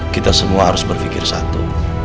kita semua harus berpikir satu